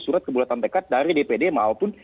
surat kebulatan tekad dari dpd maupun